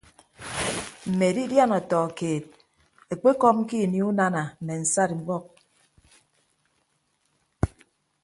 Mme edidiana ọtọ keed ekpekọm ke ini unana mme nsat ubọk.